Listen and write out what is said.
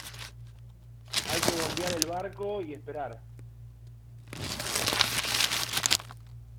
hay que bombear el barco y esperar.